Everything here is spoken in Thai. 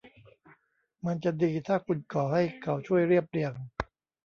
มันจะดีถ้าคุณขอให้เขาช่วยเรียบเรียง